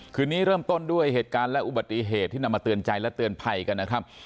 คืนนี้เริ่มต้นด้วยเหตุการณ์และอุบัติเหตุที่นำมาเตือนใจและเตือนภัยกันนะครับ